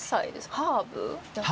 ハーブ？